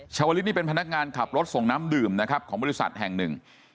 ชาวลิศนี่เป็นพนักงานขับรถส่งน้ำดื่มนะครับของบริษัทแห่งหนึ่ง